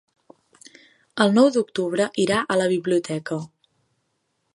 El nou d'octubre irà a la biblioteca.